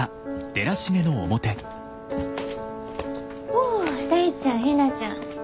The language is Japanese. お大ちゃん陽菜ちゃん。